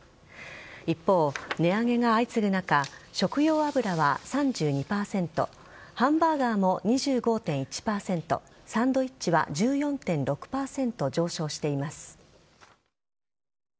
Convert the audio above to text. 一方、値上げが相次ぐ中食用油は３２％ハンバーガーも２５．１％サンドイッチは１４．６％上昇しています。